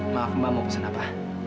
maaf mbak mau pesan apa